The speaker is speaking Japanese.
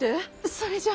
それじゃ。